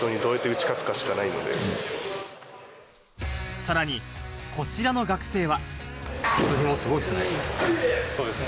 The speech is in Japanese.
さらに、こちらの学生は。